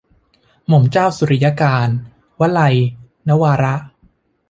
หม่อมเจ้าสุริยกานต์ - วลัย นวาระ